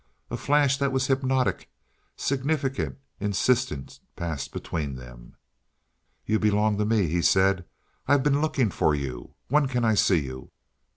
A flash that was hypnotic, significant, insistent passed between them. "You belong to me," he said. "I've been looking for you. When can I see you?"